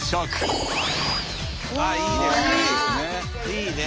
いいね！